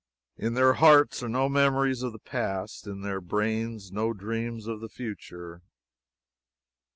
In their hearts are no memories of the past, in their brains no dreams of the future.